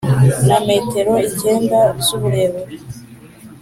na metero icyenda z'uburebure